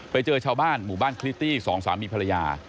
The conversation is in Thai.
ไปเจอชาวบ้านหมู่บ้านคลิตี้สองสามีภรรยา